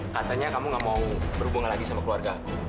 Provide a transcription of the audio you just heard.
katanya kamu gak mau berhubungan lagi sama keluarga aku